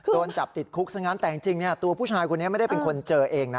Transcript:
โดนจับติดคุกซะงั้นแต่จริงตัวผู้ชายคนนี้ไม่ได้เป็นคนเจอเองนะ